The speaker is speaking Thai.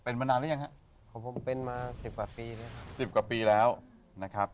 เป็นมานานหรือยังฮะของผมเป็นมาสิบกว่าปีแล้วครับสิบกว่าปีแล้วนะครับ